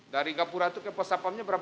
dari gapura itu ke pos sapamnya berapa